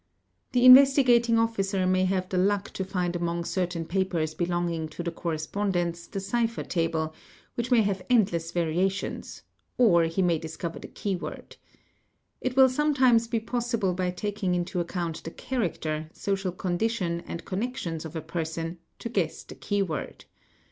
The Investigating Officer may have the luck to find among certain papers belonging to the corres pondents the cipher table, which may have endless variations, or he may discover the key word. It will sometimes be possible by taking into account the character, social condition, and connections of a person, to guess the key word.